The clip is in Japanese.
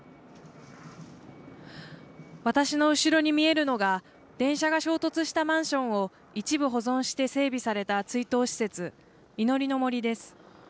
私の後ろに見えるのが、電車が衝突したマンションを一部保存して整備された追悼施設、祈りの杜です。